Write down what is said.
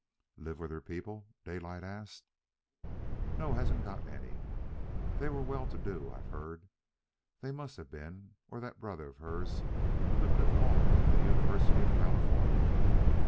"Live with her people?" Daylight asked. "No; hasn't got any. They were well to do, I've heard. They must have been, or that brother of hers couldn't have gone to the University of California.